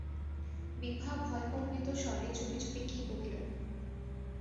বিভা ভয়কম্পিত স্বরে চুপি চুপি কী কহিল।